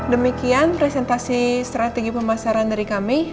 demikian presentasi strategi pemasaran dari kami